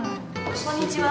こんにちは。